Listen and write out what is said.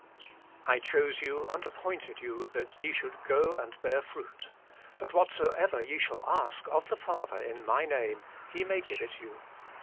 I chose you, and appointed you, that ye should go and bear fruit : that whatsoever ye shall ask of the Father in My name, He may give it you."